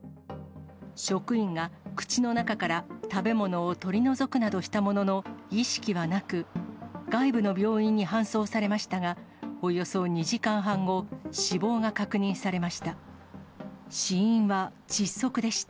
職員が口の中から食べ物を取り除くなどしたものの、意識はなく、外部の病院に搬送されましたが、およそ２時間半後、死亡が確認されました。